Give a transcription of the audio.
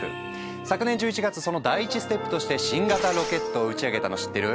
昨年１１月その第一ステップとして新型ロケットを打ち上げたの知ってる？